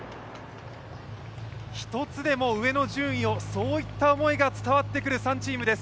１つでも上の順位をそういった思いが伝わってくる３チームです。